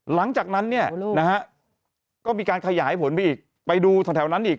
หลังจากนั้นก็มีการขยายผลไปอีกไปดูทางแถวนั้นอีก